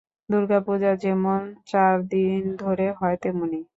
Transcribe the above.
দুর্গাপূজা যেমন চার দিন ধরে হয়, তেমনি।